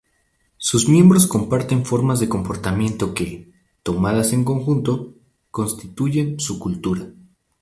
Sus miembros comparten formas de comportamiento que, tomadas en conjunto, constituyen su cultura.